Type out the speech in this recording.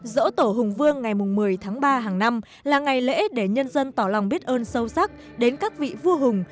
dỗ tổ hùng vương ngày một mươi tháng ba hàng năm là ngày lễ để nhân dân tỏ lòng biết ơn sâu sắc đến các vị vua hùng